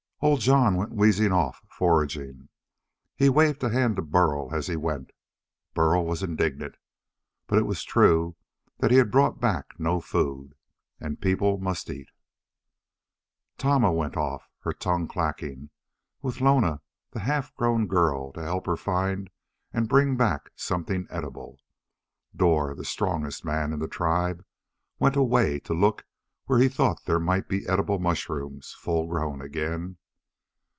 Old Jon went wheezing off, foraging. He waved a hand to Burl as he went. Burl was indignant. But it was true that he had brought back no food. And people must eat. Tama went off, her tongue clacking, with Lona the half grown girl to help her find and bring back something edible. Dor, the strongest man in the tribe, went away to look where he thought there might be edible mushrooms full grown again.